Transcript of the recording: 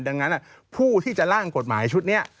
ดังนั้นผู้ที่จะล่างกฎหมายชุดนี้